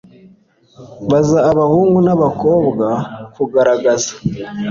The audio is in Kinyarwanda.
baza abahungu n'abakobwa kugaragaza